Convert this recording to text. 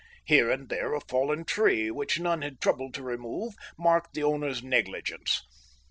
Here and there a fallen tree, which none had troubled to remove, marked the owner's negligence.